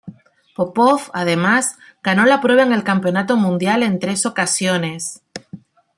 Popov, además, ganó la prueba en el Campeonato Mundial en tres ocasiones.